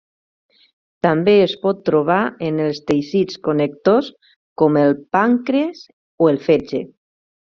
També es pot trobar en els teixits connectors com el pàncrees o el fetge.